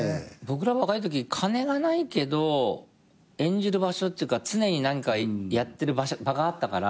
僕ら若いとき金がないけど演じる場所っていうか常にやってる場があったから。